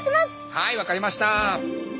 はい分かりました！